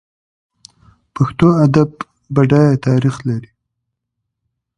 پښتو ادب بډایه تاریخ لري.